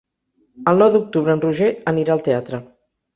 El nou d'octubre en Roger anirà al teatre.